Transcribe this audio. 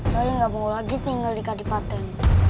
tolnya gak mau lagi tinggal di kadipaten